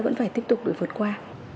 vẫn phải tiếp tục đuổi vượt qua